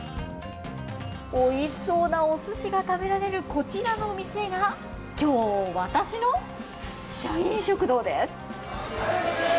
おいしそうなお寿司が食べられるこちらのお店が今日、私の社員食堂です。